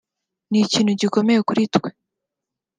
ni ikintu gikomeye kuri twebwe